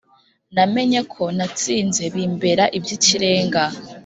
Namenye ko natsinze Bimbera iby’ikirenga